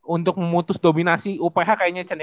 untuk memutus dominasi uph kayaknya cen ya